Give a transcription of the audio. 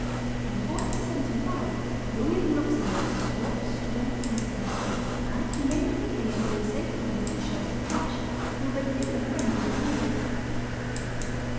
In 1475 Louis of Luxembourg saw a storm threatening; and he made application for a safe conduct to Charles the Rash, who had been the friend of his youth.